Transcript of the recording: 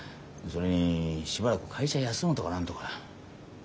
それにしばらく会社休むとか何とか。